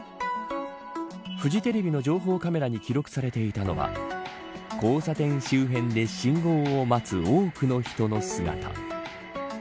フジテレビの情報カメラに記録されていたのは交差点周辺で信号を待つ多くの人の姿。